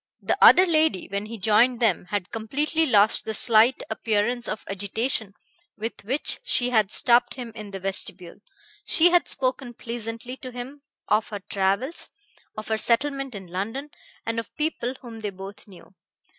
The other lady, when he joined them, had completely lost the slight appearance of agitation with which she had stopped him in the vestibule. She had spoken pleasantly to him of her travels, of her settlement in London and of people whom they both knew.